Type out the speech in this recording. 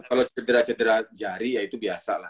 kalau cedera cedera jari ya itu biasa lah